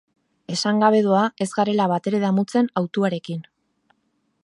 Esan gabe doa ez garela batere damutzen hautuarekin.